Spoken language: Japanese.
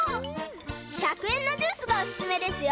１００えんのジュースがおすすめですよ。